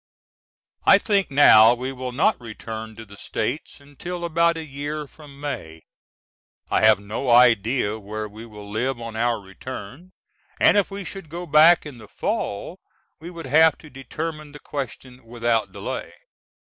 I think now we will not return to the States until about a year from May. I have no idea where we will live on our return, and if we should go back in the fall we would have to determine the question without delay.